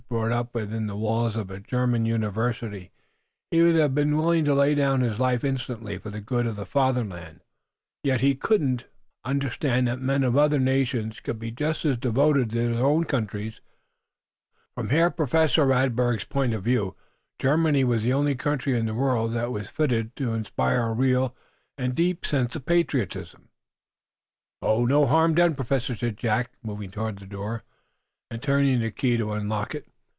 Brought up within the wall's of a German university, he would have been willing to lay down his life instantly for the good of the Fatherland. Yet he couldn't understand that men of other nations could be just as devoted to their own countries. From Herr Professor Radberg's point of view Germany was the only country in the world that was fitted to inspire a real and deep sense of patriotism. "No harm done, Professor," said Jack, moving toward the door, and turning the key to unlock it.